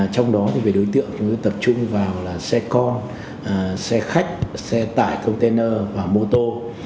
trong đó thì về đối tượng chúng tôi tập trung vào là xe con xe khách xe tải container và mô tô